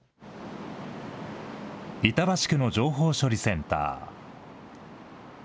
板橋区の情報処理センター。